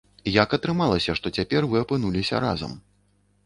Як атрымалася, што цяпер вы апынуліся разам?